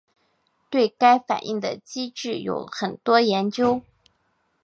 对该反应的机理有很多研究。